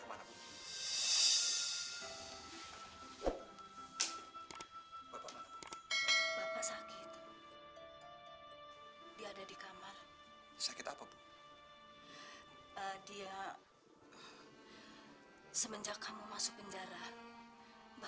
aldi menyesal gara gara aldi